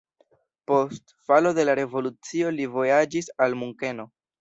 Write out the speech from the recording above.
Post falo de la revolucio li vojaĝis al Munkeno.